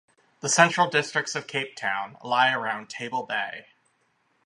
The central districts of Cape Town lie around Table Bay.